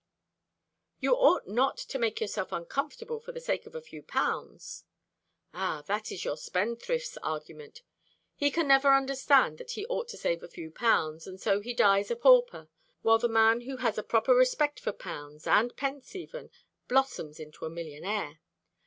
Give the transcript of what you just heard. "You ought not to make yourself uncomfortable for the sake of a few pounds." "Ah, that is your spendthrift's argument. He never can understand that he ought to save a few pounds; and so he dies a pauper; while the man who has a proper respect for pounds and pence, even blossoms into a millionaire.